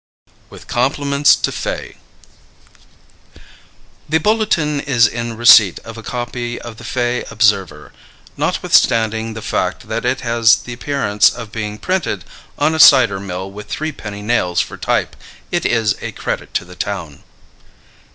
_ WITH COMPLIMENTS TO FAY. The Bulletin is in receipt of a copy of the Fay Observer. Notwithstanding the fact that it has the appearance of being printed on a cider mill with three penny nails for type, it is a credit to the town.